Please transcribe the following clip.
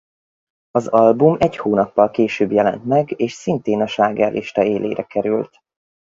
Az album egy hónappal később jelent meg és szintén a slágerlista élére került.